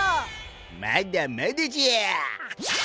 まだまだじゃ！